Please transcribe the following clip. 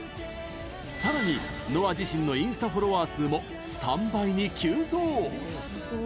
さらに、ＮＯＡ自身のインスタフォロワー数も３倍に急増！